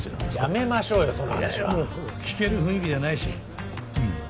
やめましょうよその話は聞ける雰囲気じゃないしうん